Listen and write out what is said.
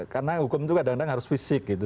karena hukum itu kadang kadang harus fisik gitu